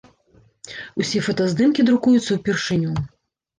Усе фотаздымкі друкуюцца ўпершыню.